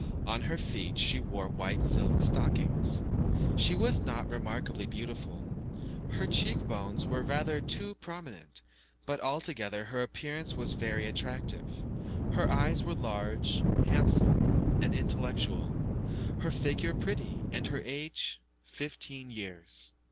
On her feet she wore white silk stockings. She was not remarkably beautiful; her cheek bones were rather too prominent; but altogether her appearance was very attractive. Her eyes were large, handsome, and intellectual, her figure pretty, and her age fifteen years.